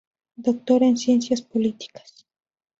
Doctor en Ciencias Políticas.